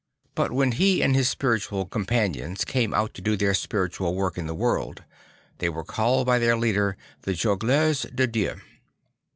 But \vhen he and his spiritual companions came out to do their spiritual work in the world, they were called by their leader the Jongleurs de Dieu.